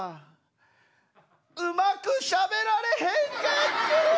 うまくしゃべられへんかった。